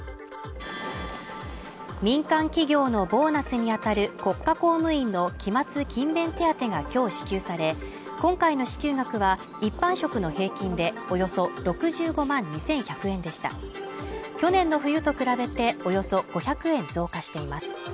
民間企業のボーナスに当たる国家公務員の期末・勤勉手当が今日支給され今回の支給額は一般職の平均でおよそ６５万２１００円でした去年の冬と比べておよそ５００円増加しています